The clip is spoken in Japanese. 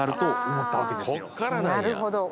なるほど。